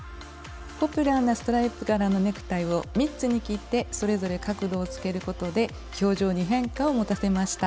ポピュラーなストライプ柄のネクタイを３つに切ってそれぞれ角度をつけることで表情に変化を持たせました。